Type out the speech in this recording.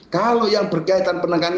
kalau yang berkaitan penekanan